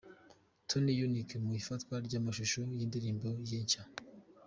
Tonny Unique mu ifatwa ry'amashusho y'indirimbo ye nshya.